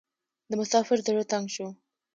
د مسافر زړه تنګ شو .